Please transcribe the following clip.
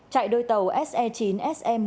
chạy đôi tàu se chín se một mươi